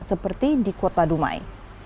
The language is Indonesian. seperti di kota dumai